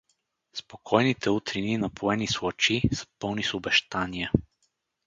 Спокойните утрини, напоени с лъчи, са пълни с обещания.